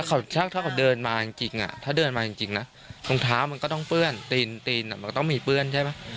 รองเท้ามันก็ต้องเปื้อนตีนมันก็ต้องมีเปื้อนใช่ไหม